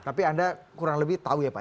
tapi anda kurang lebih tahu ya pak